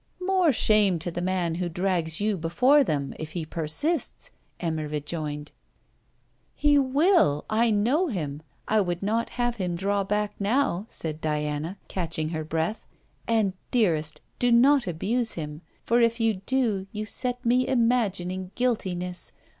'More shame to the man who drags you before them if he persists!' Emma rejoined. 'He will. I know him. I would not have him draw back now,' said Diana, catching her breath. 'And, dearest, do not abuse him; for if you do, you set me imagining guiltiness.